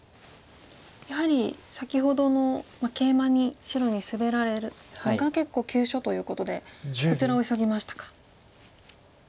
やはり先ほどのケイマに白にスベられるのが結構急所ということでそちらを急ぎましたか。